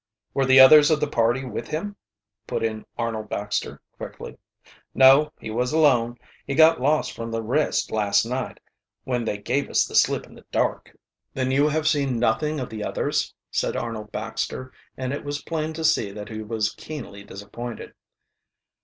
"Were the others of the party with him?" put in Arnold Baxter quickly. "No, he was alone. He got lost from the rest last night, when they gave us the slip in the dark." "Then you have seen nothing of the others?" said Arnold Baxter, and it was plain to see that he was keenly disappointed.